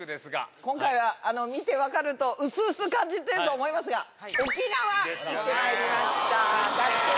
今回は見て分かると薄々感じていると思いますが沖縄行ってまいりました。